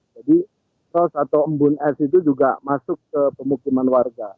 jadi kros atau embun es itu juga masuk ke pemukiman warga